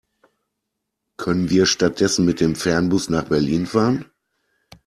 Können wir stattdessen mit dem Fernbus nach Berlin fahren?